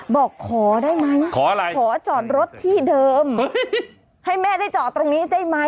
บอกขอได้ไหมขออะไรขอจอดรถที่เดิมให้แม่ได้จอดตรงนี้ได้ไหม